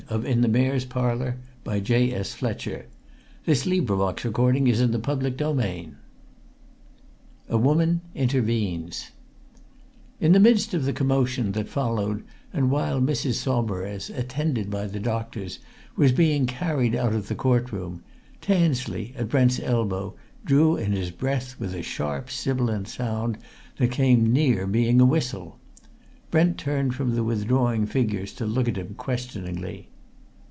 As the barrister pronounced her name, Mrs. Saumarez collapsed in her seat, fainting. CHAPTER XIII A WOMAN INTERVENES In the midst of the commotion that followed and while Mrs. Saumarez, attended by the doctors, was being carried out of the Court room, Tansley, at Brent's elbow, drew in his breath with a sharp sibilant sound that came near being a whistle. Brent turned from the withdrawing figures to look at him questioningly.